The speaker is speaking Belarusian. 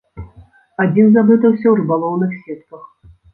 Адзін заблытаўся ў рыбалоўных сетках.